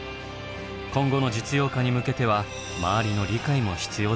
今後の実用化に向けては周りの理解も必要だといいます。